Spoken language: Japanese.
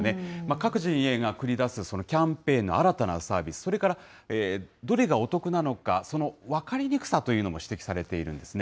各陣営が繰り出すキャンペーンの新たなサービス、それからどれがお得なのか、その分かりにくさというのも指摘されているんですね。